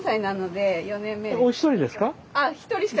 お一人ですか？